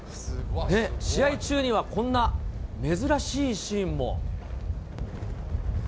試合中にはこんな珍しいシーンも。